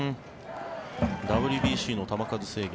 ＷＢＣの球数制限